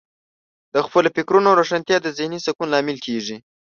د خپلو فکرونو روښانتیا د ذهنې سکون لامل کیږي.